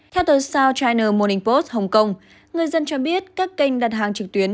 theo tuần sau china morning post hồng kông người dân cho biết các kênh đặt hàng trực tuyến